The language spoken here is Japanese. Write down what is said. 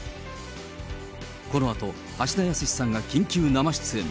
このあと、橋田康さんが緊急生出演。